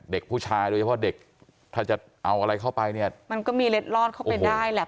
เด็กผู้ชายโดยเฉพาะเด็กถ้าจะเอาอะไรเข้าไปเนี่ยมันก็มีเล็ดลอดเข้าไปได้แหละ